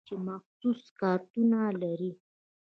چې مخصوص کارتونه لري.